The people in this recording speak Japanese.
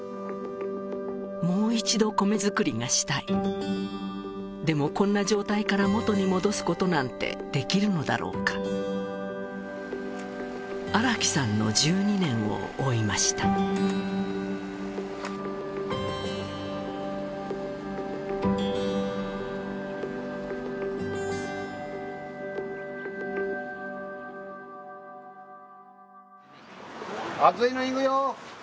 もう一度米作りがしたいでもこんな状態から元に戻すことなんてできるのだろうか荒木さんの１２年を追いました熱いのいくよ